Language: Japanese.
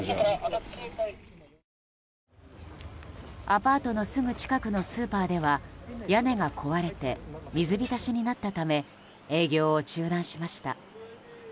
アパートのすぐ近くのスーパーでは屋根が壊れて水浸しになったため営業を中断しました。